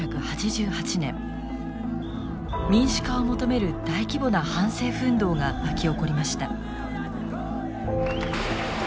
民主化を求める大規模な反政府運動が巻き起こりました。